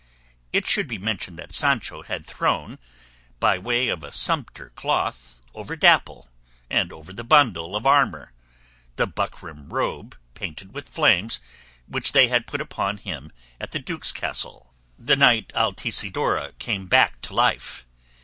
It should be mentioned that Sancho had thrown, by way of a sumpter cloth, over Dapple and over the bundle of armour, the buckram robe painted with flames which they had put upon him at the duke's castle the night Altisidora came back to life.